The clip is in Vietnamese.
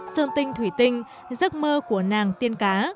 sơn tinh thủy tinh giấc mơ của nàng tiên cá